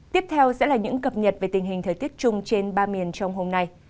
tiếp theo sẽ là những cập nhật về tình hình thời tiết chung trên ba miền trong hôm nay